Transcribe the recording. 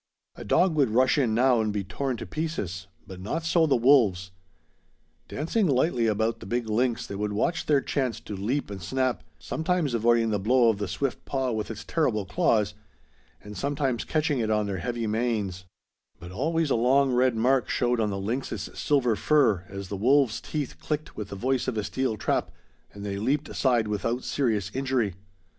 A dog would rush in now and be torn to pieces; but not so the wolves. Dancing lightly about the big lynx they would watch their chance to leap and snap, sometimes avoiding the blow of the swift paw with its terrible claws, and sometimes catching it on their heavy manes; but always a long red mark showed on the lynx's silver fur as the wolves' teeth clicked with the voice of a steel trap and they leaped aside without serious injury.